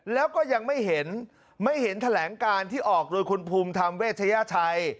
แล้วก็ยังไม่เห็นไม่เห็นแถลงการที่ออกโดยคุณภูมิธรรมเวชยชัย